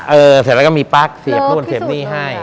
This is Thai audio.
เสร็จแล้วก็มีปั๊กเสียบนู่นเสียบหนี้ให้